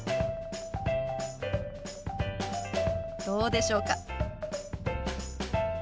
どうでしょうか？